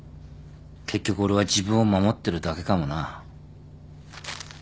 結局俺は自分を守ってるだけかもな。